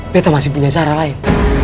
kita masih punya cara lain